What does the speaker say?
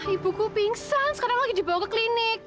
ibuku pingsan sekarang lagi dibawa ke klinik